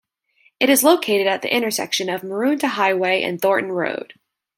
It is located at the intersection of Maroondah Highway and Thornton Road.